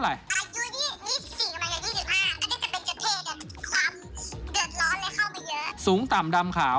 หล่อไหมหล่อดิแฟนตัวเองก็ต้องชมอยู่แล้ว